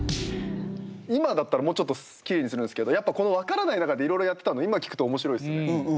今だったらもうちょっときれいにするんですけどやっぱこの分からない中でいろいろやってたのを今聴くと面白いですよね。